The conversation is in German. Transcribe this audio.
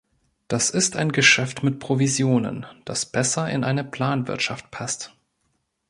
Das ist ein Geschäft mit Provisionen, das besser in eine Planwirtschaft passt.